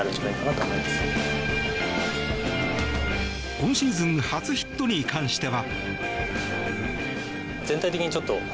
今シーズン初ヒットに関しては。